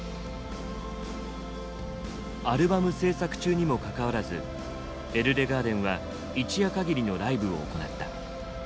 アルバム制作中にもかかわらずＥＬＬＥＧＡＲＤＥＮは一夜かぎりのライブを行った。